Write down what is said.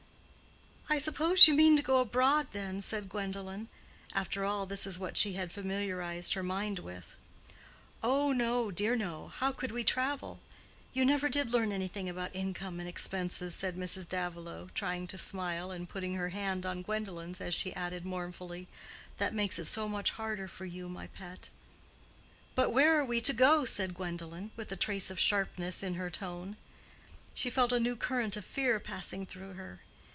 "I suppose you mean to go abroad, then?" said Gwendolen. After all, this is what she had familiarized her mind with. "Oh, no, dear, no. How could we travel? You never did learn anything about income and expenses," said Mrs. Davilow, trying to smile, and putting her hand on Gwendolen's as she added, mournfully, "that makes it so much harder for you, my pet." "But where are we to go?" said Gwendolen, with a trace of sharpness in her tone. She felt a new current of fear passing through her.